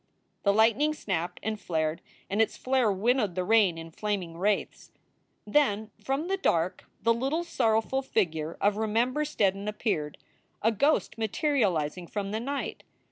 The lightning snapped and flared and its flare winnowed the rain in flaming wraiths. Then from the dark the little sorrowf ul figure of Remember 3 o8 SOULS FOR SALE Steddon appeared, a ghost materializing from the night.